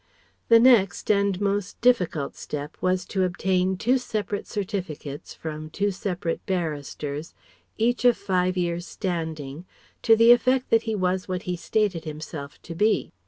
The next and most difficult step was to obtain two separate Certificates from two separate barristers each of five years' standing, to the effect that he was what he stated himself to be.